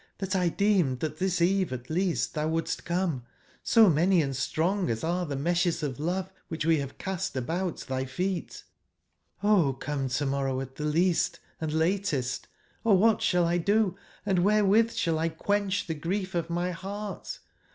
for t deemed that this eve at least thou wouldst come, so many & strong as are the meshes of love which we have cast about thy feet* Oh come to/morrowat the least and latest, orwhat shallXdo, and wherewith shalll quench the grief of my heart?